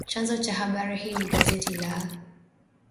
Chanzo cha habari hii ni gazeti la